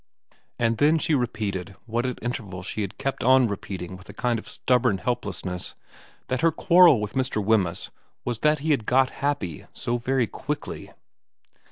And then she repeated what at intervals she had kept on repeating with a kind of stubborn helplessness, that her quarrel with Mr. Wemyss was that he had got happy so very quickly.